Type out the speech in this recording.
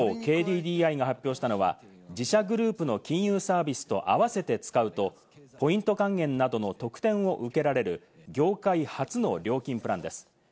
一方、ＫＤＤＩが発表したのは自社グループの金融サービスと合わせて使うとポイント還元などの特典を受けられる業界初の料金プランです。